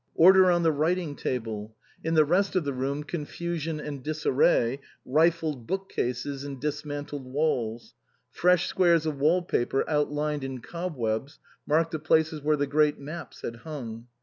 Order on the writing table ; in the rest of the room confusion and disarray, rifled bookcases and dismantled walls. Fresh squares of wall paper outlined in cobwebs marked the places where the great maps had hung.